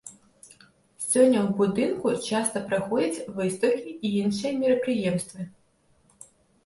Сёння ў будынку часта праходзяць выстаўкі і іншыя мерапрыемствы.